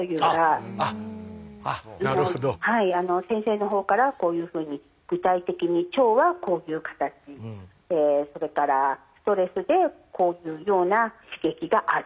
先生のほうからこういうふうに具体的に腸はこういう形それからストレスでこういうような刺激がある。